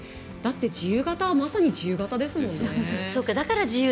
自由形はまさに自由形ですもんね。